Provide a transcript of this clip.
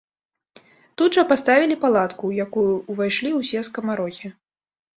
Тут жа паставілі палатку, у якую ўвайшлі ўсе скамарохі.